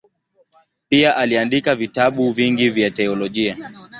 Pia aliandika vitabu vingi vya teolojia.